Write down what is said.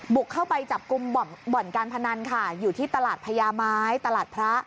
บุกเข้าไปจับกลุ่มบ่อนการพนันค่ะอยู่ที่ตลาดพญาไม้ตลาดพระ